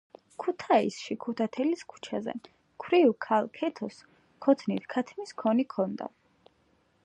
ქუთაისში ქუთათელის ქუჩაზე ქვრივ ქალ ქეთოს ქოთნით, ქათმის ქონი ქონდა